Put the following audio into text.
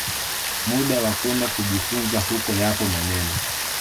muda wa kwenda kujifunza huko Yapo maneno